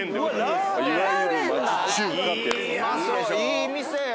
いい店！